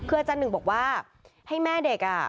คืออาจารย์หนึ่งบอกว่าให้แม่เด็ก